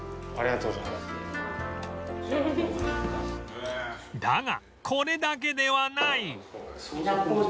だがこれだけではない